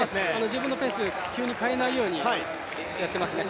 自分のペースを急に変えないようにやっていますね。